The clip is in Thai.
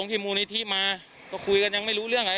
กู้ภัยก็เลยมาช่วยแต่ฝ่ายชายก็เลยมาช่วย